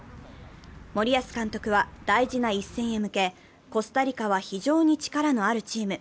森保監督は大事な一戦へ向けコスタリカは非常に力のあるチーム。